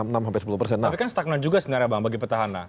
tapi kan stagnan juga sebenarnya bang bagi petahana